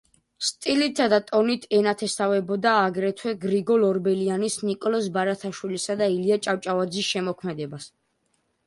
სტილითა და ტონით ენათესავებოდა აგრეთვე გრიგოლ ორბელიანის, ნიკოლოზ ბარათაშვილისა და ილია ჭავჭავაძის შემოქმედებას.